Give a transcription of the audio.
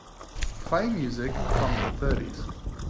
Play music from the thirties.